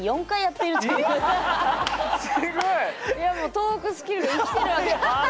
トークスキルも生きてるわけだ。